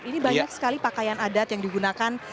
ini banyak sekali pakaian adat yang digunakan